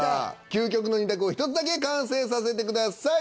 究極の２択を１つだけ完成させてください。